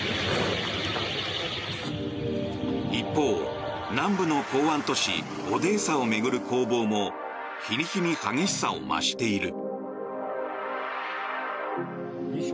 一方、南部の港湾都市オデーサを巡る攻防も日に日に激しさを増している。